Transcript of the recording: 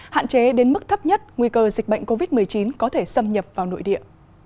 hạn chế đến mức thấp nhất nguy cơ dịch bệnh covid một mươi chín có thể xâm nhập vào nội địa